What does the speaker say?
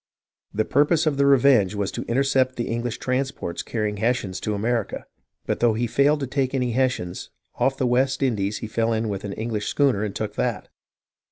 The purpose of the Revenge was to intercept the English transports carrying Hessians to America, but though he failed to take any Hessians, off the West Indies he fell in with an English schooner and took that.